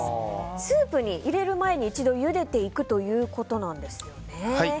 スープに入れる前に一度ゆでていくということなんですね。